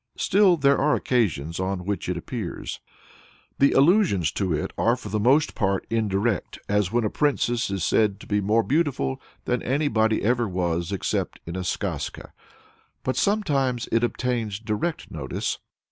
Still there are occasions on which it appears. The allusions to it are for the most part indirect, as when a princess is said to be more beautiful than anybody ever was, except in a skazka; but sometimes it obtains direct notice.